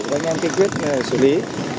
và anh em kinh quyết xử lý